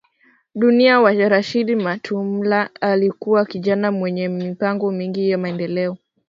dunia wa Rashid Matumla Alikuwa kijana mwenye mipango mingi ya maendeleo